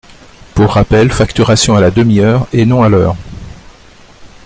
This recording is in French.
Pour rappel, facturation à la demi-heure et non à l’heure.